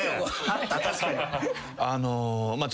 確かに。